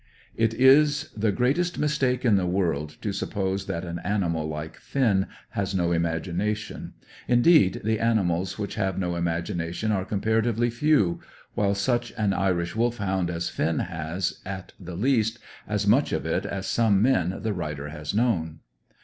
It is the greatest mistake in the world to suppose that an animal like Finn has no imagination. Indeed, the animals which have no imagination are comparatively few; while such an Irish Wolfhound as Finn has, at the least, as much of it as some men the writer has known.